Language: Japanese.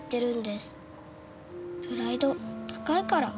プライド高いから。